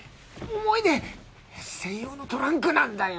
思い出専用のトランクなんだよ！